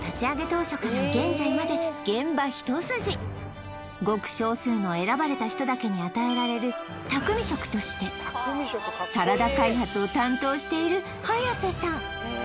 当初から現在まで現場一筋ごく少数の選ばれた人だけに与えられる匠職としてサラダ開発を担当している早瀬さん